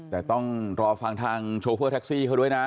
แต่ต้องรอฟังทางโชเฟอร์แท็กซี่เขาด้วยนะ